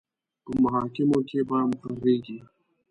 په محاکمو کې به مقرریږي.